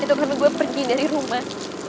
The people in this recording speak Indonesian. itu karena gue pergi dari rumah